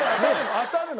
当たるの！